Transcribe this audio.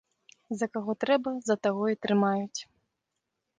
За каго трэба, за таго і трымаюць.